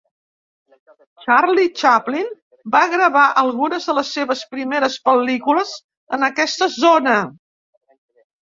Charlie Chaplin va gravar algunes de les seves primeres pel·lícules en aquesta zona.